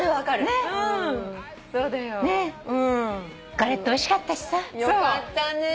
ガレットおいしかったしさ。